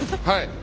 はい。